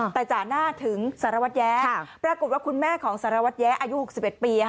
แต่จ่าหน้าถึงสารวัตรแย้ปรากฏว่าคุณแม่ของสารวัตรแย้อายุ๖๑ปี